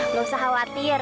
gak usah khawatir